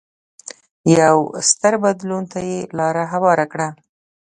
یو ستر بدلون ته یې لار هواره کړه.